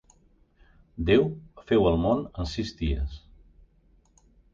Déu feu el món en sis dies.